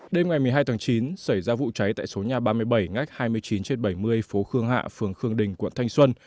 đêm ngày một mươi hai tháng chín xảy ra vụ cháy tại số nhà ba mươi bảy ngách hai mươi chín trên bảy mươi phố khương hạ phường khương đình quận thanh xuân